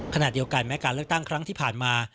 ขณะเดียวกันแม้การเลือกตั้งครั้งที่ผ่านมา